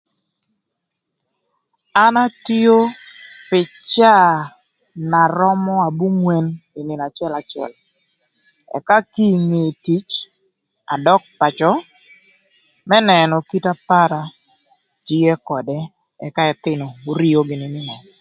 An atio pï caa na römö abungwën ï nïnö acëlacël, ëka kinge tic adök pacö, më nënö kite para tye ködë, ëka ëthïnö orio gïnï nï ngö?